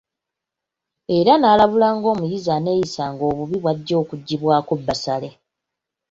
Era n’alabula ng’omuyizi aneeyisanga obubi bw’ajja okuggibwako bbasale.